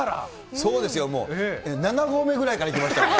そうですよ、もう７合目ぐらいからいきました。